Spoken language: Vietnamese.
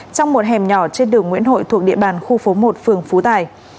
trong một hẻm nhỏ trên đường nguyễn hội thuộc địa bàn khu phố một phường phú tài